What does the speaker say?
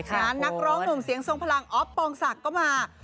นักร้องหนุ่มเสียงทรงพลังอ๊อฟปองศักดิ์ก็มา